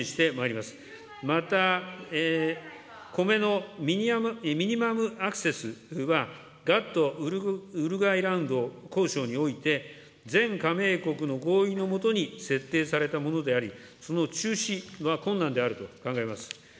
また、コメのミニマムアクセスは、ガットウルグアイラウンド交渉において、全加盟国の合意の下に設定されたものであり、その中止は困難であると考えます。